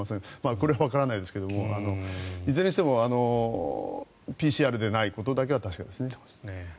これはわからないですがいずれにしてもＰＣＲでないことだけは確かですね。